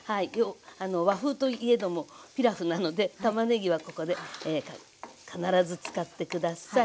あの和風といえどもピラフなのでたまねぎはここで必ず使って下さい。